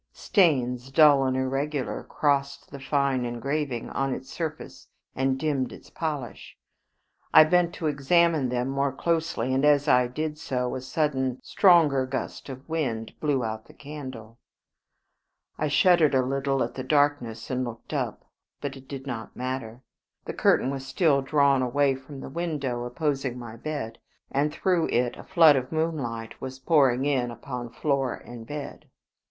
Stains, dull and irregular, crossed the fine engraving on its surface and dimmed its polish. I bent to examine them more closely, and as I did so a sudden stronger gust of wind blew out the candle. I shuddered a little at the darkness and looked up. But it did not matter: the curtain was still drawn away from the window opposite my bedside, and through it a flood of moonlight was pouring in upon floor and bed.